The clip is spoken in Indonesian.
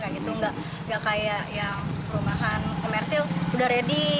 kayak gitu nggak kayak yang perumahan komersil udah ready